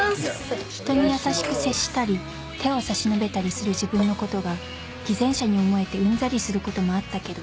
ひとに優しく接したり手を差し伸べたりする自分のことが偽善者に思えてうんざりすることもあったけど